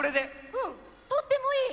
うんとってもいい！